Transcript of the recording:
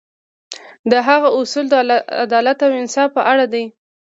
د هغه اصول د عدالت او انصاف په اړه دي.